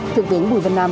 thượng tướng bùi văn nam